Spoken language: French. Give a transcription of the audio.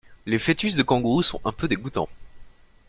Les foetus de Kangourou sont un peu dégoûtant.